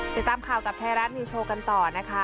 ติดตามข่าวกับไทยรัฐนิวโชว์กันต่อนะคะ